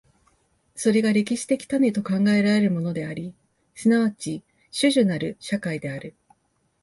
それが歴史的種と考えられるものであり、即ち種々なる社会である。